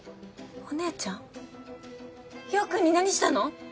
お姉ちゃん陽君に何したの！？